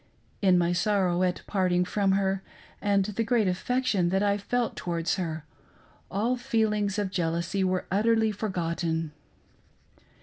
In my sorrow at parting from her, and the great affection that I felt towards her, all feelings of jealousy were utterly forgotten.